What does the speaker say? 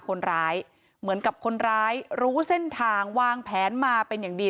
คนร้ายเหมือนกับคนร้ายรู้เส้นทางวางแผนมาเป็นอย่างดี